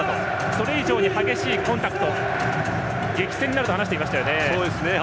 それ以上に激しいコンタクト激戦になると話していましたよね。